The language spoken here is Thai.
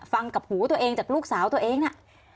กับหูตัวเองจากลูกสาวตัวเองน่ะ